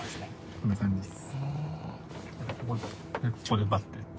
こんな感じっす。